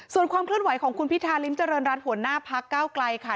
ส่วนความเคลื่อนไหวของคุณพิธาริมเจริญรัฐหัวหน้าพักเก้าไกลค่ะ